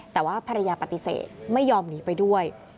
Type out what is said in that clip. แต่ว่าภรรยาปฏิเสธไม่ยอมหนีไปด้วย